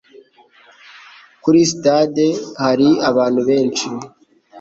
Kuri sitade hari abantu benshi.